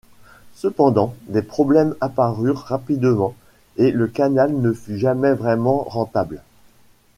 Cependant, des problèmes apparurent rapidement et le canal ne fut jamais vraiment rentable.